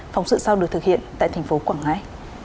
phóng sự sau được thực hiện tại thành phố quảng ngãi